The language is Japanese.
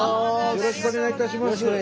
よろしくお願いします。